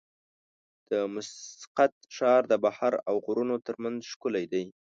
د مسقط ښار د بحر او غرونو ترمنځ ښکلی دی.